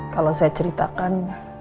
kalau saya ceritakan